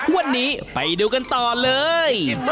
วันนี้ไปดูกันต่อเลย